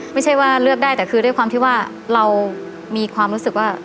ไม่ใช่ว่าเลือกได้แต่คือด้วยความที่ว่าเรามีความรู้สึกว่า